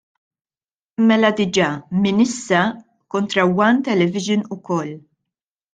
Mela diġà, minn issa, kontra One Television ukoll.